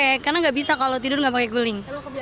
oke karena nggak bisa kalau tidur nggak pakai guling